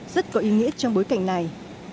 rất có ý nghĩa trong bối cảnh này